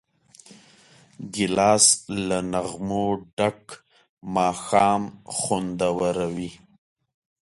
ګیلاس له نغمو ډک ماښام خوندوروي.